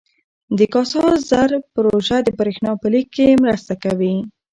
د کاسا زر پروژه د برښنا په لیږد کې مرسته کوي.